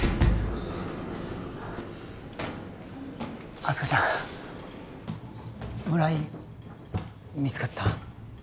明日香ちゃん村井見つかった？